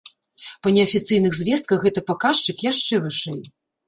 Па неафіцыйных звестках, гэты паказчык яшчэ вышэй.